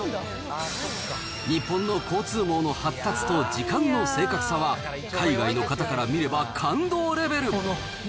日本の交通網の発達と時間の正確さは、海外の方から見れば感動レベル。